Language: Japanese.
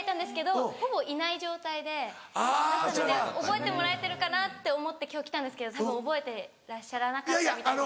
覚えてもらえてるかなって思って今日来たんですけどたぶん覚えてらっしゃらなかったみたい。